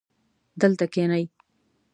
دلته کښېنئ